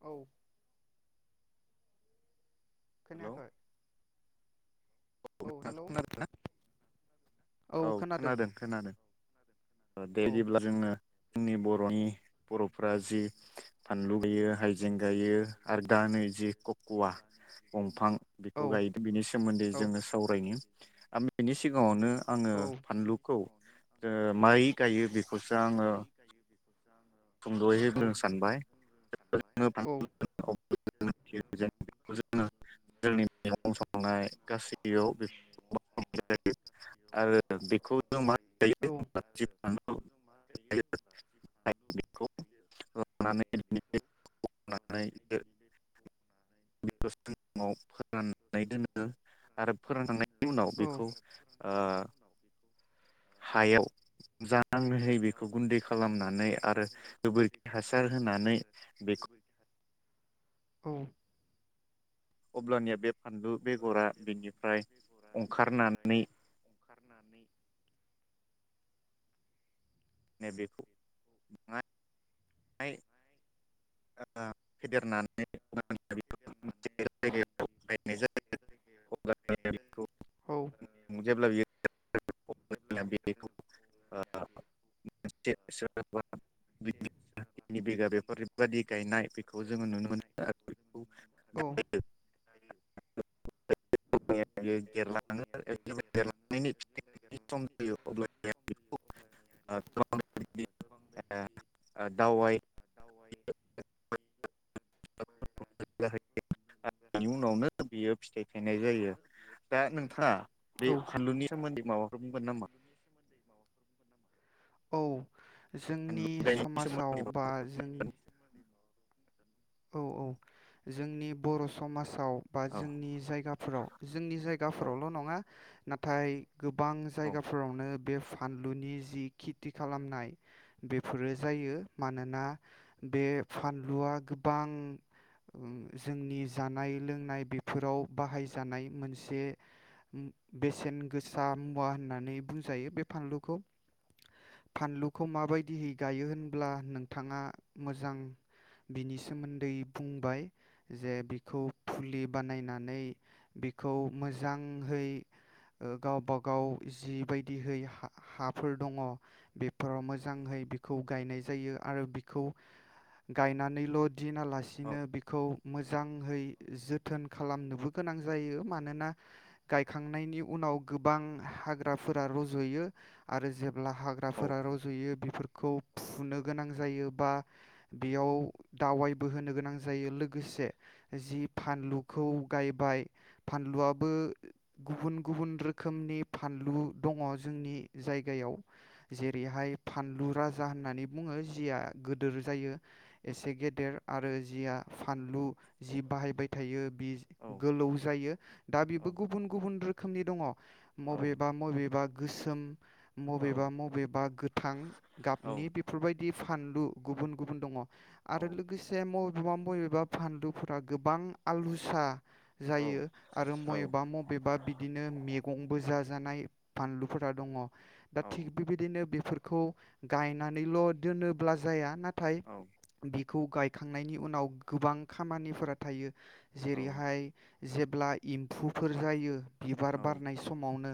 औ हेलौ खोनायाखै औ हेलौ [unintelligible] औ खोनादों खोनादों दे औ जेब्ला जोङो जोंनि बर'नि बर'फ्रा जि फानलु गायो हाइजें गायो आरो दा नै जि ककुवा दंफां औ बेखौ गायदों बिनि सोमोन्दै औ जोङो सावरायनि आं बेनि सिगाङावनो आङो औ फानलुखौ। ओ माइ गायो बे खौसो आङो सुंद'यै औ बुंनो सानबाय। [unintelligible] औ गायो [unintelligible] बेखौ सान्दुंआव फोराननानै दोनो आरो फोरानखांनायनि उनाव बेखौ ओ हायाव [unintelligible] बेखौ गुन्दै खालामनानै आरो गोबोरखि हासार होनानै बेखौ औ अब्लानिया बे फानलु बेगरा बेनिफ्राय अंखारनानै नानै नै बेखौ [unintelligible] [unintelligible] ओ फेदेरनानै मोनसे जायगायाव गायनाय जायो अब्ला बेखौ जेब्ला बियो अब्ला बेखौ मोनसे सोरहाबा औ [unintelligible] बिगा बेफोरबायादि गायनाय बेखौ जोङो नुनो मोनो आरो औ [unintelligible] हारि [unintelligible] देरलाङो देरलांनायनि फिथाइनि सम जायो अब्ला बेखौ गोबां दावबायनो [inaudible] [unintelligible] आरो बेनि उनावनो बेयो फिथाइ थायनाय जायो दा नोंथाङा बे औ फानलुनि सोमोन्दै माबाफोर बुंगोन नामा? औ फानलु जोंनि गायनायनि समाजाव सोमोन्दै बा माबाफोर जोंनि औ औ जोंनि बर' समाज साव बा औ जोंनि जायगा फोराव जि जोंनि औ जायगाफोरावल' नङा नाथाय गोबां औ जायगाफोरावनो बेफो फानलुनि जि खिति खालामनाय बेफोरो जायो मानोना बे फानलुआ गोब गोबां जोंनि जानाय लोंनाय बेफोराव बाहायजानाय मोनसे बेसेन गोसा मुवा होननानै बुंजायो बे फानलुखौ फानलुखौ माबायदिहै गायो होनब्ला नोंथाङा मोजां बिनि सो सोमोन्दै बुंबाय जे बिखौ फुलि बानायनानै बिखौ मोजांहै गावबागाव जिबायदिहै हाफोर दङ बेफोराव मोजाङै बिखौ गायनाय जायो आरो बिखौ गायनानैल' दिना लासिनो बिखौ मोजाङै जोथोन खालामनोबो गोनां जायो मानोना गायखांनायनि उनाव गोबां हाग्राफोरा रज'यो आरो जे अब्ला औ हाग्राफोरा रज'यो बिफोरखौ फुनो गोनां जायो बा बेयाव दावायबो होनो गोनां जायो लोगोसे जि फानलुखौ गायबाय फानलुआबो गुबुन गुबुन रोखोमनि फानलु दङ जोंनि जायगायाव जेरैहाय फानलु राजा होननानै बुङो जिया गोदोर जायो एसे गेदेर आरो जिया फानलु जि बाहायबाय थायो गोलौ जायो दा औ बिबो गुबुन गुबुन रोखोमनि दङ औ मबेबा मबेबा गोसोम मबेबा मबेबा गोथां औ गाबनि बेफोरबाय बि फानलु गुबुन गुबुन दङ औ आरो लोगोसे म मबेबा मबेबा फानलुफोरा गोबां आलुसा जायो आरो औ मबेबा मबेबा बिदिनो मे गंबो जाजानाय फानलुफोरा दङ। दा औ थिग बेबायदिनो बेफोर खौ गायनानैल दोनोब्ला जाया नाथ थाइ औ बिखौ गायखांनायनि उनाव गोबां खामानिफोरा थायो। औ जेरैहाय जेब्ला एम्फुफोर जायो बिबार औ बारनाय समावनो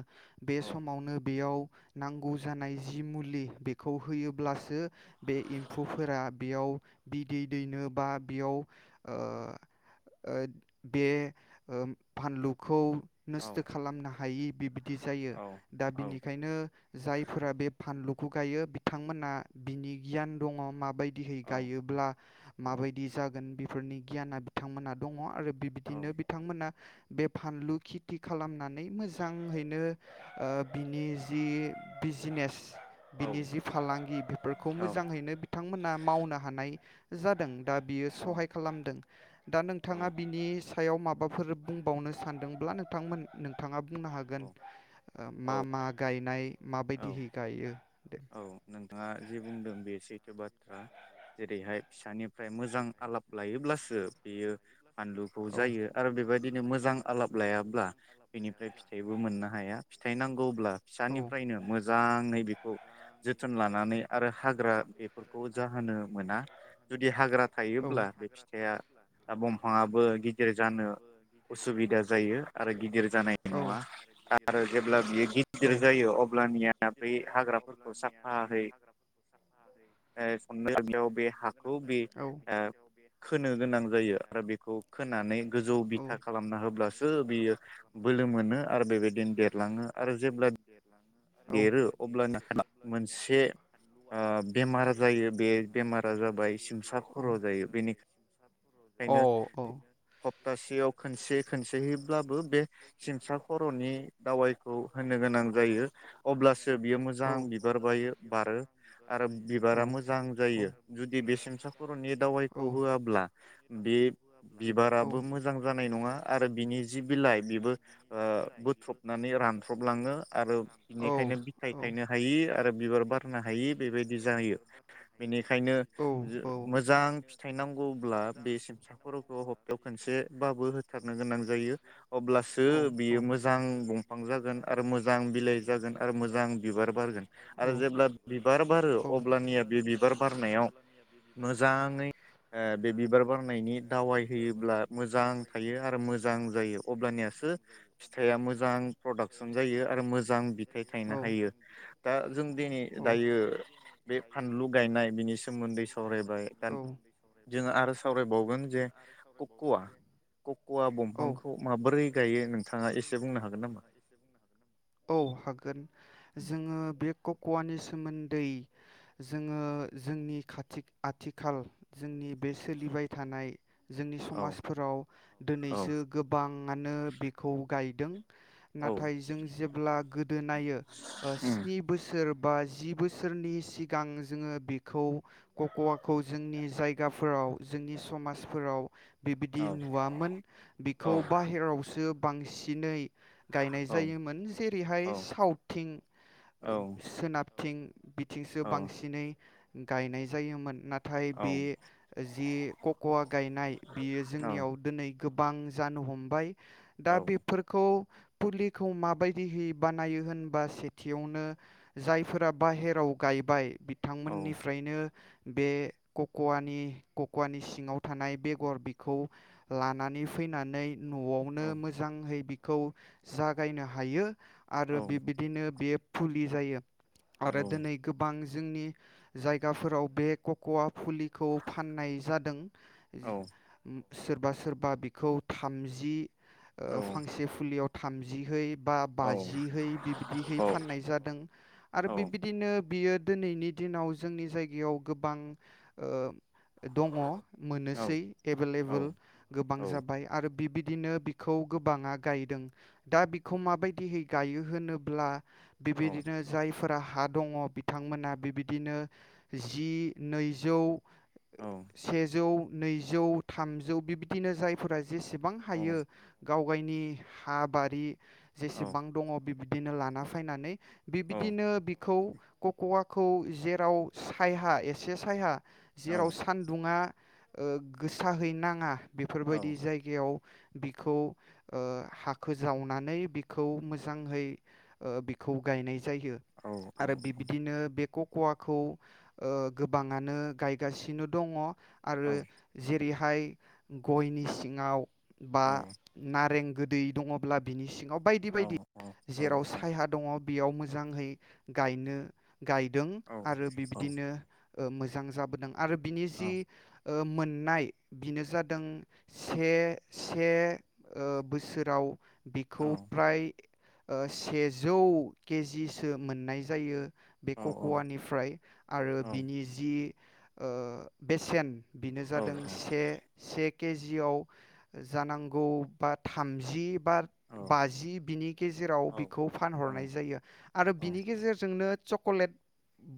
बे समावनो बेयाव नांगौ जानाय जि मुलि बेखौ होयोब्लासो बे एम्फौफोरा बेयाव बिदै दैनो बा बेयाव ओ ओ बे फानलुखौ औ नोस्थो खालामनो हायि बिब दि जायो दा औ बिनिखायनो जायफोरा बे फानलु खौ गायो बिथांमोना बिनि गियान दङ माबायदिहै औ गायोब्ला औ माबायदि जागोन बिफ फोरनि गियाना बिथांमोना दङ आरो बिबदिनो बिथांमोना बे फानलु खेथि खालामनानै मोजांहैनो ओ बिनि जि बिजनेस बिनि जि फालांगि बिफोरखौ औ मोजाङैनो बिथांमोना मावना जादों दा बियो सहाय खालामदों दा नोंथाङा बिनि सा सायाव माबाफोर बुंबावनो सानदोंब्ला नोंथांमोन नोंथाङा बुंनो हागोन। औ मा मा गायनाय औ माबायदिहै गायो दे औ नोंथाङा जे बुंदों बे सैथो बाथ्रा जेरैहाय फिसानिफ्राय मोजां आलाब लायोब्लासो बेयो फानलुखौ औ जायो आरो बेबायदि दिनो मोजां आलाब लायाब्ला बिनिफ्राय फिथाइबो मोननो हाया। फिथाइ नांगौब्ला फिसानिफ्रायनो मोजाङै बे जोथोन लानानै आरो हाग्रा बेफोरख खौ जाहोनो मोना जुदि हाग्रा थायोब्ला बे फिथाइआ बमफाङाबो गिदिर जानो उसुबिदा जायो आरो गिदिर जानाय नङा आरो जेब्ला बियो गिदिर जायो अब्लानिया बै हाग्रा फोर दानिया बै हाग्राफोरखौ सारफाहै अननायायाव बे हाखौ बे ओ खोनो गोनां जायो आरो बेखौ खोनानै गोजौ बिथा खालामना होब्लासो बियो बोलो मोनो आरो बेबायदिनो देरलाङो आरो जेब्ला देरो अब्लानो मोनसे ओ‌‌ बेमार जायो बे बेमारा जाबाय सिमसा खर जायो बेनिखायनो खप्तासेयाव खनसे खनसेैब्लाबो बे सिमसा खरनि दावायखौ होनो गोनां जायो। अब्लासो बियो मोजां बिबार बायो बारो आरो बिबारा मोजां बारो जायो जुदि बे सेमसा खरनि दावाइखौ होआब्ला बे बिबाराबो मोजां जानाय नङा आरो बिनि जि बिलाइ बेबो बोथ्रबनानै रानथ्रबलाङो आरो बेनिखायनो बिथाय खायनो हायि आरो बिबार बारनो हायि बेबायदि जायो। बेनिखायनो बेफोरखौ बेयाव मोजां फिथाइ नांगौब्ला बे सिमसा खरखौ हप्तायाव खनसेबाबो होथारनो गोनां जायो अब्लासो बियो मोजां दंफां जागोन आरो मोजां बिलाइ आरो मोजां बिबार बारगोन आरो जेब्ला बिबार बारो आरो अब्लानिया बे बिबार बारनायाव मोजाङै ओ बे बिबार बारनायनि दावाय होयोब्ला मोजां थायो आरो मोजां जायो अब्लानियासो फिथाइया मोजां प्रडाक्सन जायो आरो मोजां फिथाइ थायनो हायो दा जों दिनै दा दायो बे फानलु गायनाय बिनि सोमोन्दै सावरायबाय दा जोङो आरो सावरायबावगोन जे कक वा कक वा दंफांखौ माबोरै गायो नोंथाङा एसे बुंनो हागोन नामा? औ जोङो बे कक वानि सोमोन दै जोङो जोंनि खाथि आथिखाल जोंनि बे सोलिबाय थानाय जोंनि औ समाजफोराव औ दिनैसो गोबाङानो बेखौ गाय दों औ नाथाय जों जेब्ला गो दोनायो उम स्नि बोसोर बाजि बोसोर सोरनि सिगां जोङो बेखौ ककवाखौ जोंनि जायगाफोराव जोंनि समाजफोराव बेबिदि औ नुवामोन औ बिखौ बाहेरावसो बांसिनै गायनाय औ जायोमोन जेरैहाय औ सावथिं औ सोनाब थिं थिंसो औ बांसिनै गायनाय जायोमोन ना नाथाय बे औ जि ककवा गायनाय बियो जोंनियाव दोनै गोबां जानो हमबाय दा औ बेफोरखौ फुलिखौ माबायदिहै बानायो होनबा सेथियावनो जायफोरा बाहेराव गायबाय औ बिथांमोननिफ्रायनो बे ककवानि ककवानि सिङाव थानाय बेगर बेखौ लानानै फैनानै नआवनो औ मोजांहै खौ जागायनो हायो। आरो नोंथाङा बिबदिनो बे फुलि जायो। आरो दोनै गोबां जोंनि जायगाफोराव बे ककवा फुलिखौ फाननाय जादों। सोरबा सोरबा बिखौ थामजि ओ फांसे फुलियाव थामजिहै बा बाजिहै बिबदिहै फाननाय जादों। बिबादिनो बियो दोनैनि दिनाव जोंनि जायगायाव गोबां दङ मोननोसै एभेलेबोल गोबां जाबाय आरो बिदि दिनो बिखौ गोबाङा गायदों। दा बिखौ माबायदिहै गायो होनोब्ला बिबिदिनो जायफोरा हा दङ बिथांमोना बेबायदिनो जि नैजौ सेजौ नैजौ थामजौ बिबदिनो जायफोरा जेसेबां हायो गाव गयनि हा बारि जेसेबां दङ बि बिदिनो लाना फैनानै बिबदिनो बिखौ ककवाखौ जेराव सायहा एसे सायहा जेराव सान्दुङा ओ गोसाहैनाङा बेफोरबायदि जायगायाव बिखौ ओ हाखो जावनानै बिखौ मोजाङै ओ बिखौ गायनाय जायो। आरो बिबदिनो बेखौ खवाखौ ओ गोबाङानो गायगासिनो दङ आरो जेरै आथाय गयनि सिङाव बा नारें गोदै दङब्ला बिनि सिङाव बायदि बायदि जेराव सायहा दङ बेयाव मोजांहै गायनो गायदों आरो बिब्दिनो ओ मोजां जाबोदों आरो बिनि जि ओ मोन नाय बिनो जादों से से ओ बोसोराव बिखौ फ्राय ओ सेजौ केजिसो मोन्नाय जायो। बेखौ कवानिफ्राय आरो बिनि जि ओ बेसेन बेनो जादों से सेक केजियाव जानांगौ बा थामजि बा बाजि बिनि गेजेराव बिखौ फानहरनाय जायो। आरो बिनि गेजेरजोंनो चकलेट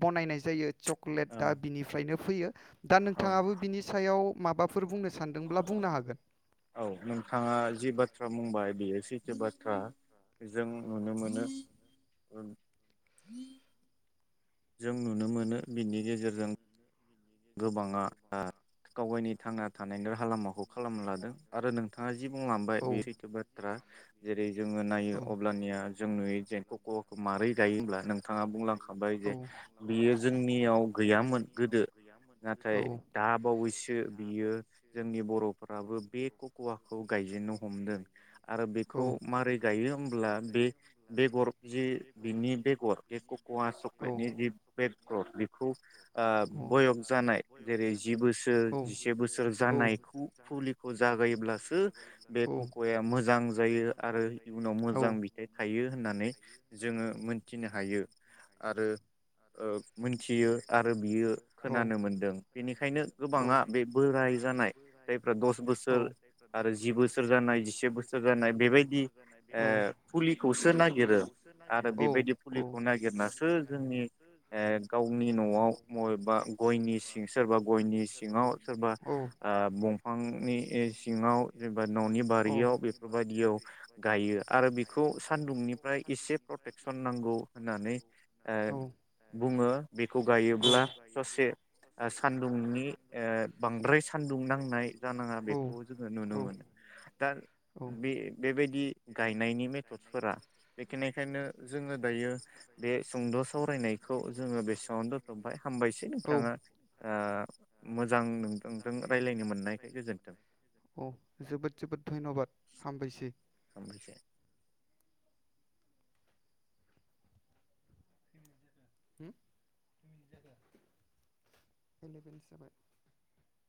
बनायनाय जायो। चकलेटआ बिनिफ्रायनो फैयो दा नोंथाङाबो बिनि सायाव माबाफोर बुंनो सानदोंब्ला बुंनो हागोन। औ नोंथाङा जि बाथ्रा बुंबाय बेयो सैथो बाथ्रा जों नुनो मोनो जों नुनो मोनो बिनि गेजेरजों गोबाङा ओ गावगायनि थांना थानायनि राहा लामाखौ खालामना लादों आरो नोंथाङा जि बुंलांबाय औ बे सैथो बाथ्रा जेरै जोङो नायो बाथ्रा अब्लानिया जों नुयो जेन कक मारै दायोहोनब्ला नों नोंथाङा बुंलांखाबाय जे बियो जोंनियाव गैयामोन गोदो नाथाय दाबावैसो बियो जोंनि बर'फ्राबो बे ककवाखौ गायजेनो हमदों आरो बेखौ मारै गायो होमब्ला बे-बेगर जि बिनि बेगर कवा चक्लेटनि जि बेकगर बेखौ ओ जानाय जेरै जि बोसोर जिसे बोसोर जानायखौ फुलिखौ जागायोब्लासो बे ककआ मोजां जायो आरो इयुनाव मोजां बिदाइ थायो होननानै जोङो मोनथिनो हायो आरो ओ मिथियो आरो बियो खोनानो मोनदों बेनिखायनो गोबाङा बे बोराय जानाय जायफ्रा दस बोसोर आरो जि बोसोर जानाय जिसे बोसोर जानाय बेबायदि फु आरो खौ नागिरनासो जोंनि ओ गावनि ओ नआव मय बा गयनि सिं सोरबा गयनि सिङाव सोरबा बंफांनि सिङाव ओ सोरबा ननि बारियाव बेफोरबायदियाव गाङो आरो बेखौ सानदुंनिफ्राय एसे फ्रथेकसन‌‌ नांग गौ होननानै ओ बुङो बेखौ गायोब्ला से सान्दुंनि ओ बांद्राय सानदुं नांनाय जानांङा बेखौ जोङो नुनो मोनो दा बे बेबायदि गायनायनि मेथडसफोरा बेखिनिखायनो जोङो दायो बे सुंद सावरायनायखौ जोङो बेसेङावनो दोनथबाय। एसे नोंथाङा ओ मोजां नोंथांजों रायलायनो मोननायखाय गोजोनदों। नोंथाङा जोबोद जोबोद धन्यबाद हामबायसै हामबायसो [inaudible]